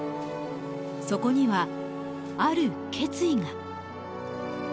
そこにはある決意が。